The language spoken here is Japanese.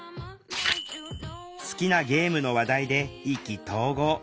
好きなゲームの話題で意気投合。